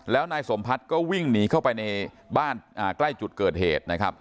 แล้วนายสมพัฒน์ก็วิ่งหนีเข้าไปในบ้านใกล้จุดเกิดเหตุนะครับ